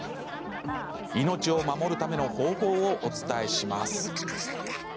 命を守るための方法をお伝えします。